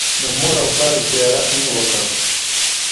د مور او پلار زیارت مې وکړ.